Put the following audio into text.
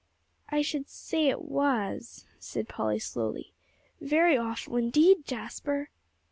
"I should say it was," said Polly slowly. "Very awful indeed, Jasper."